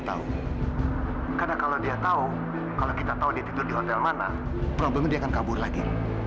tahu karena kalau dia tahu kalau kita tahu dia tidur di hotel mana problemnya dia akan kabur lagi